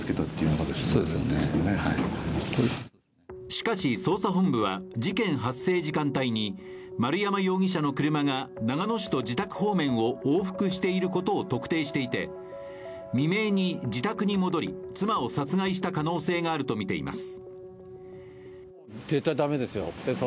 しかし、捜査本部は事件発生時間帯に丸山容疑者の車が長野市と自宅方面を往復していることを特定していて未明に自宅に戻り妻を殺害した可能性があるとみています。